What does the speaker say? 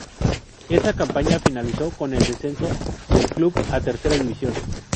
Esa campaña finalizó con el descenso del club a Tercera División.